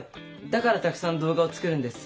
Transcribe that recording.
だからたくさん動画を作るんです！